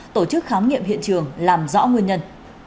tổ chức khám nghiệm hiện trường làm rõ nguyên nhân